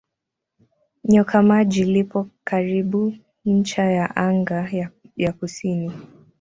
Nyoka Maji lipo karibu ncha ya anga ya kusini.